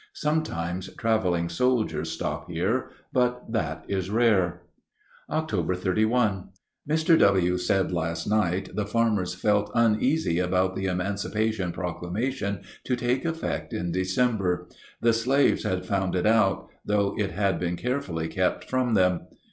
Sometimes traveling soldiers stop here, but that is rare. Oct. 31. Mr. W. said last night the farmers felt uneasy about the "Emancipation Proclamation" to take effect in December. The slaves have found it out, though it had been carefully kept from them.